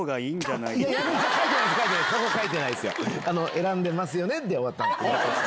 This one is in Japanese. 「選んでますよね？」で終わってます。